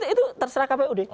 itu terserah kpud